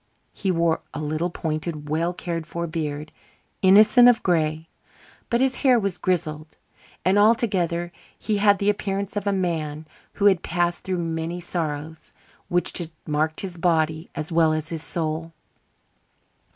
He wore a little pointed, well cared for beard, innocent of gray; but his hair was grizzled, and altogether he had the appearance of a man who had passed through many sorrows which had marked his body as well as his soul.